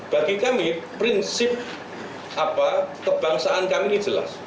bagi kami prinsip kebangsaan kami ini jelas